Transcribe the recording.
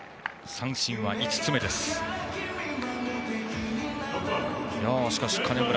三振は５つ目です、金村。